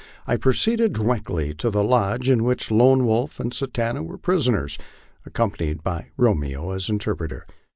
I proceeded di rectly to the lodge in which Lone Wolf and Satanta were prisoners, accompa nied by Romeo as interpreter.